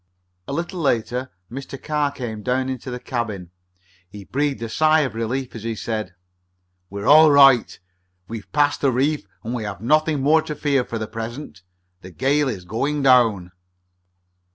A little later Mr. Carr came down into the cabin. He breathed a sigh of relief as he said: "We're all right. We've passed the reef and we have nothing more to fear for the present. The gale is going down."